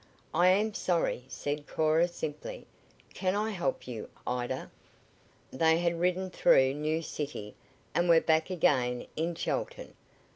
"I am sorry," said Cora simply. "Can I help you, Ida?" They had ridden through New City, and were back again in Chelton.